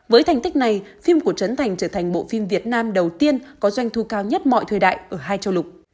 với thành tích này phim của trấn thành trở thành bộ phim việt nam đầu tiên có doanh thu cao nhất mọi thời đại ở hai châu lục